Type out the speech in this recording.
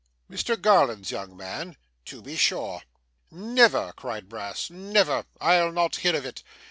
'Mr Garland's young man?' 'To be sure.' 'Never!' cried Brass. 'Never. I'll not hear of it.